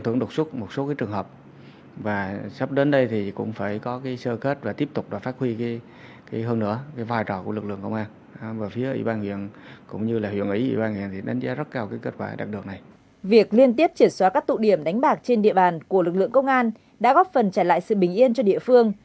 trên địa bàn của lực lượng công an đã góp phần trả lại sự bình yên cho địa phương